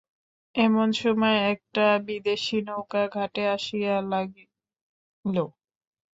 এমনসময় একটা বিদেশী নৌকা ঘাটে আসিয়া লাগিল।